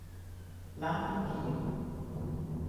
Lampen giel.